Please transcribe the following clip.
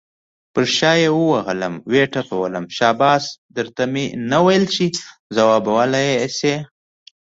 پر شا یې وټپلم، شاباس در ته مې نه ویل چې ځوابولی یې شې.